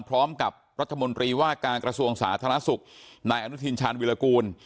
พร้อมกับรัฐมนตรีว่าการกระทรวงสาธารณสุขนายอนุทินชาญวิรากูล